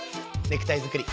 ネクタイづくり。